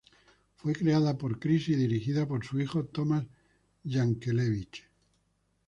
Fue creada por Cris y dirigida por su hijo, Tomás Yankelevich.